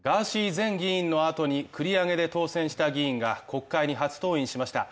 前議員の後に繰り上げで当選した議員が国会に初登院しました。